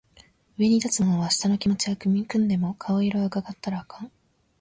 上に立つ者は下の者の気持ちは汲んでも顔色は窺ったらあかん